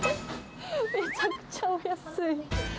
めちゃくちゃお安い。